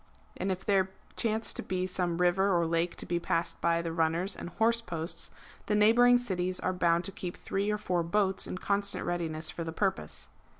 And if there chance to be some river or lake to be passed by the runners and horse posts, the neighbouring cities are bound to keep three or four boats in constant readiness for the purpose.)